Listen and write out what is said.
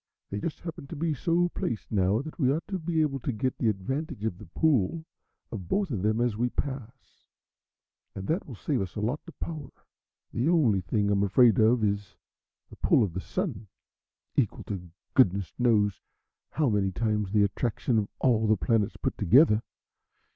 "They just happen to be so placed now that we ought to be able to get the advantage of the pull of both of them as we pass, and that will save us a lot of power. The only thing I'm afraid of is the pull of the Sun, equal to goodness knows how many times the attraction of all the planets put together.